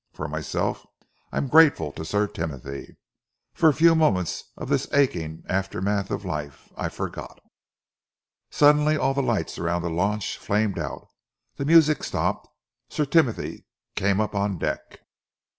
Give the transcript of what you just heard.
For myself I am grateful to Sir Timothy. For a few moments of this aching aftermath of life, I forgot." Suddenly all the lights around the launch flamed out, the music stopped. Sir Timothy came up on deck.